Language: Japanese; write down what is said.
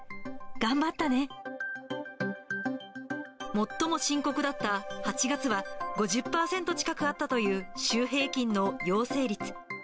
最も深刻だった８月は、５０％近くあったという週平均の陽性率。